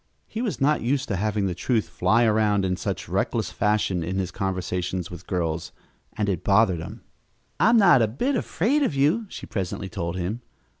He was not used to having the truth fly around in such reckless fashion in his conversations with girls, and it bothered him. "I'm not a bit afraid of you," she presently told him.